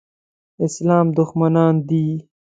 اسلام دښمنان دي.